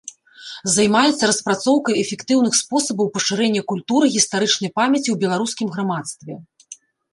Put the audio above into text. Займаецца распрацоўкай эфектыўных спосабаў пашырэння культуры гістарычнай памяці ў беларускім грамадстве.